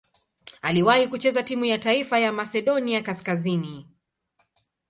Aliwahi kucheza timu ya taifa ya Masedonia Kaskazini.